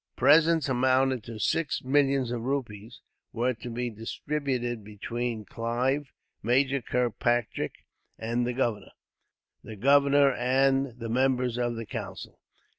Presents amounting to six millions of rupees were to be distributed between Clive, Major Kilpatrick, the governor, and the members of the council.